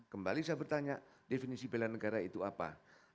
kembali saya bertanya definisi bela negara itu apa